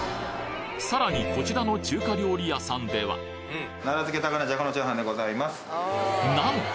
さらにこちらの中華料理屋さんではなんと！